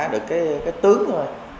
được cái tướng thôi